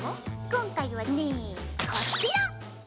今回はねこちら。